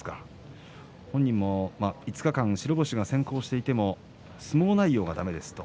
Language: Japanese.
本人も５日間白星が先行していても相撲内容がだめですか。